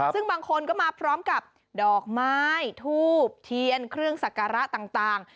ซึ่งบางคนก็มาพร้อมกับดอกไม้ทูบเทียนเครื่องสักการะต่าง